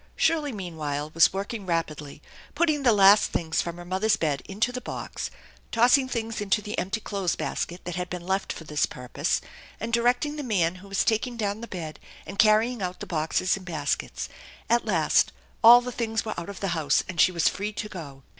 Shirley meanwhile was working rapidly, putting the last things from her mother's bed into the box, tossing things into the empty clothes basket that had been left for this purpose, and directing the man who was taking down the bed and car rying out the boxes and baskets. At last all the things were out of the house, and she was free to go.